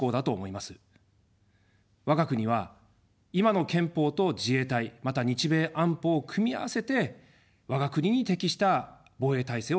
我が国は今の憲法と自衛隊、また日米安保を組み合わせて我が国に適した防衛体制を作っています。